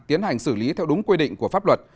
tiến hành xử lý theo đúng quy định của pháp luật